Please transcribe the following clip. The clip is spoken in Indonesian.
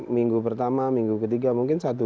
minggu pertama minggu ketiga mungkin satu